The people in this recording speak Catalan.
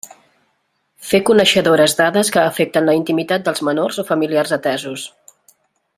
Fer coneixedores dades que afecten la intimitat dels menors o familiars atesos.